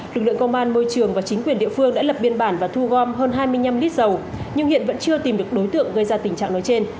lực lượng công an môi trường và chính quyền địa phương đã lập biên bản và thu gom hơn hai mươi năm lít dầu nhưng hiện vẫn chưa tìm được đối tượng gây ra tình trạng nói trên